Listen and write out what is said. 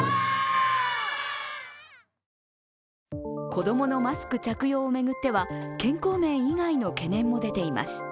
子供のマスク着用を巡っては健康面以外の懸念も出ています。